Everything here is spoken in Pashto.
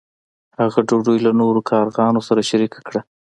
هغه ډوډۍ له نورو کارغانو سره شریکه کړه.